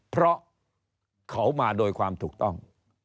เพราะเขามาโดยความถูกต้อง